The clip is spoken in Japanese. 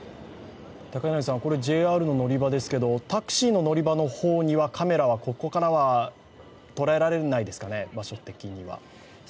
これＪＲの乗り場ですがタクシーの乗り場の方にはカメラはここからは捉えられないですかね、場所的には。